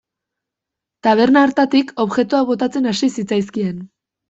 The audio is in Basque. Taberna hartatik objektuak botatzen hasi zitzaizkien.